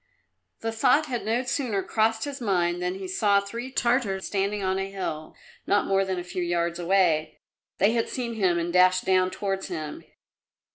The thought had no sooner crossed his mind than he saw three Tartars standing on a hill, not more than a few yards away. They had seen him and dashed down towards him.